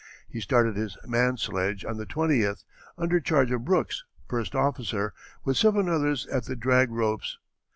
He started his man sledge on the 20th, under charge of Brooks, first officer, with seven others at the drag ropes.